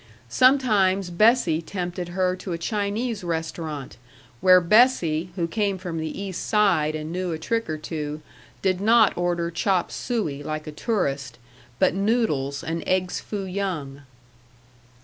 Sometimes Bessie tempted her to a Chinese restaurant, where Bessie, who came from the East Side and knew a trick or two, did not order chop suey, like a tourist, but noodles and eggs foo young.